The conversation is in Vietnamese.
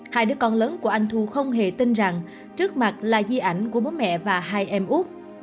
hai đứa con lớn của anh thu không hề tin rằng trước mặt là di ảnh của bố mẹ và hai em út